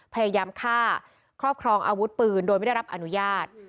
พยายามฆ่าครอบครองอาวุธปืนโดยไม่ได้รับอนุญาต